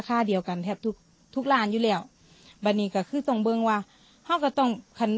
ทุกทุกร้านอยู่แล้วบรรณีก็คือต้องเบิ้งว่าห้องก็ต้องขัน